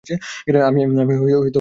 আমি ওর সাথে দেখা করতে চাই।